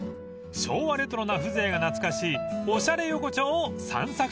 昭和レトロな風情が懐かしいおしゃれ横丁を散策しましょう］